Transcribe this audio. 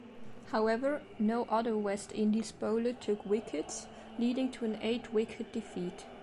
However, no other West Indies bowler took wickets, leading to an eight-wicket defeat.